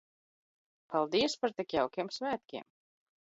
Paldies par tik jaukiem svētkiem!